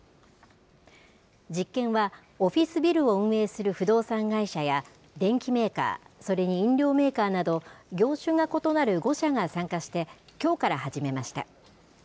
実験はオフィスビルを運営する不動産会社や電機メーカー、それに飲料メーカーなど、業種が異なる５社が参加して、きょうから始めました。